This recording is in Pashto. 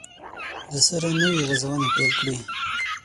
دسره نوي غزونې پیل کړي